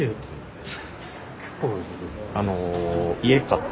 結構。